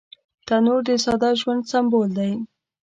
تنور د ساده ژوند سمبول دی